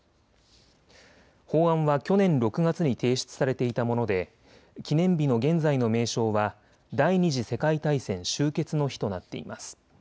法案は去年６月に提出されていたもので記念日の現在の名称は第２次世界大戦終結の日となっています。